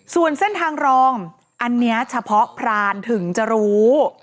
ส่วนเส้นทางรองอันนี้เฉพาะพรานถึงจะรู้